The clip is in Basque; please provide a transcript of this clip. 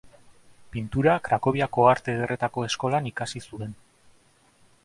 Pintura Krakoviako arte ederretako eskolan ikasi zuen.